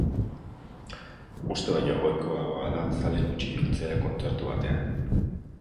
Uste baino ohikoagoa da zale gutxi biltzea kontzertu batean.